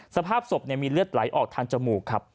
สภาพศพมีเลือดไหลออกทางจมูกครับ